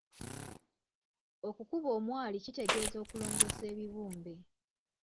Okukuba omwari kitegeeza okulongoosa ebibumbe.